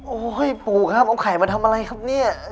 โอ้โหปู่ครับเอาไข่มาทำอะไรครับเนี่ย